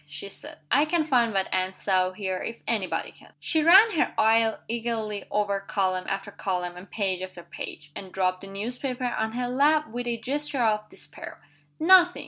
she said. "I can find what Anne saw here if any body can!" She ran her eye eagerly over column after column and page after page and dropped the newspaper on her lap with a gesture of despair. "Nothing!"